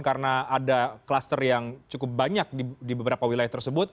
karena ada cluster yang cukup banyak di beberapa wilayah tersebut